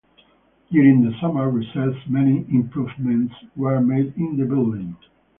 During the summer recess many improvements were made in the building.